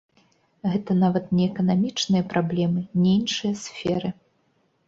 Гэта нават не эканамічныя праблемы, не іншыя сферы.